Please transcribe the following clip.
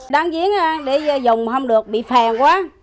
đang diễn để dùng không được bị phèn quá